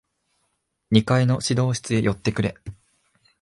二階の指導室へ寄ってくれ。